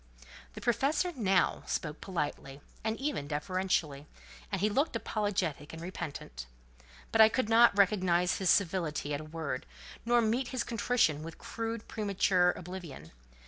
The professor now spoke politely, and even deferentially, and he looked apologetic and repentant; but I could not recognise his civility at a word, nor meet his contrition with crude, premature oblivion.